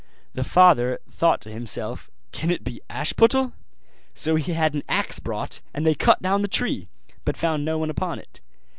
The father thought to himself, 'Can it be Ashputtel?' So he had an axe brought; and they cut down the tree, but found no one upon it.